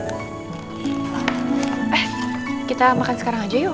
eh kita makan sekarang aja yuk